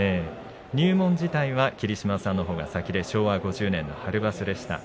入門自体は霧島さんのほうが先で昭和５０年の春場所でした。